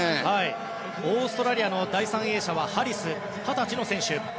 オーストラリアの第３泳者はハリス二十歳の選手。